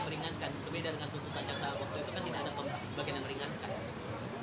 kemudian dengan hukum panjang saat waktu itu kan tidak ada bagian yang meringankan